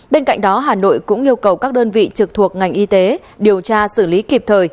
bên cạnh đó hà nội cũng yêu cầu các đơn vị trực thuộc ngành y tế điều tra xử lý kịp thời